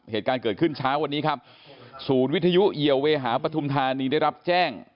เหตุการณ์เกิดขึ้นเช้าวันนี้ครับศูนย์วิทยุเหี่ยวเวหาปฐุมธานีได้รับแจ้ง